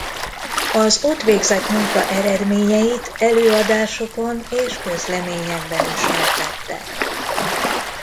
Az ott végzett munka eredményeit előadásokon és közleményekben ismertette.